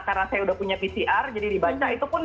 karena saya udah punya pcr jadi dibaca itu pun